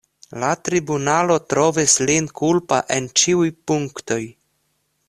La tribunalo trovis lin kulpa en ĉiuj punktoj.